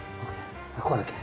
こうだっけ？